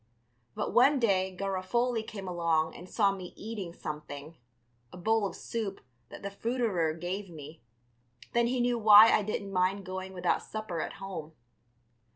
But one day Garofoli came along and saw me eating something, a bowl of soup that the fruiterer gave me, then he knew why I didn't mind going without supper at home.